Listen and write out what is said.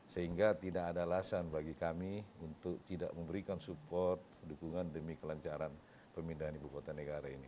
sehingga tidak ada alasan bagi kami untuk tidak memberikan support dukungan demi kelancaran pemindahan ibu kota negara ini